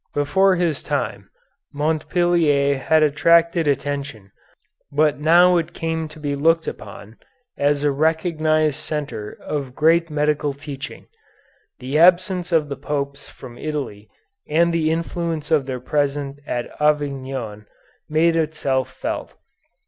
Before his time, Montpellier had attracted attention, but now it came to be looked upon as a recognized centre of great medical teaching. The absence of the Popes from Italy and the influence of their presence at Avignon made itself felt.